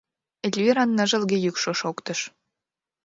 — Эльвиран ныжылге йӱкшӧ шоктыш.